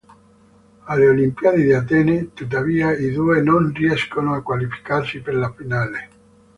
Alle Olimpiadi di Atene, tuttavia, i due non riescono a qualificarsi per la finale.